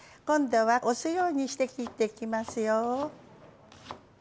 今度は押すようにして切っていきますよ。